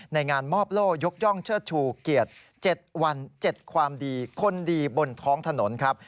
ในงานมอบโล่ยกย่องเชิดชูเกียรติ๗วัน๗ความดีคนดีบนท้องถนนครับ